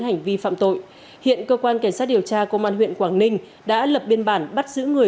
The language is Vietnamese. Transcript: hành vi phạm tội hiện cơ quan cảnh sát điều tra công an huyện quảng ninh đã lập biên bản bắt giữ người